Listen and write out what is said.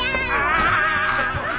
あ！